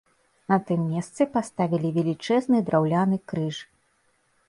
На тым месцы паставілі велічэзны драўляны крыж.